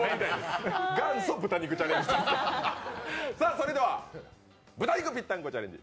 それでは豚肉ぴったんこチャレンジ！！